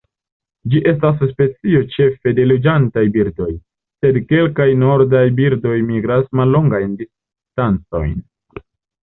Ĝi estas specio ĉefe de loĝantaj birdoj, sed kelkaj nordaj birdoj migras mallongajn distancojn.